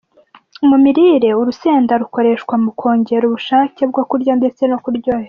Mu mirire ,urusenda rukoreshwa mu kongera ubushakebwo kurya ndetse no kuryoherwa.